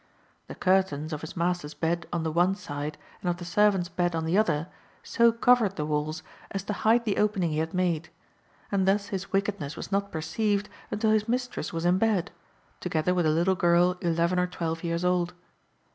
The curtains of his master's bed on the one side and of the servant's bed on the other so covered the walls as to hide the opening he had made; and thus his wickedness was not perceived until his mistress was in bed, together with a little girl eleven or twelve years old.